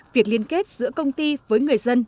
việc liên kết giữa công ty với người dân